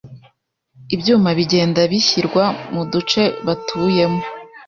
'ibyuma bigenda bishyirwa muduce batuyemo.